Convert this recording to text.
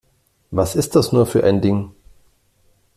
Was ist das nur für ein Ding?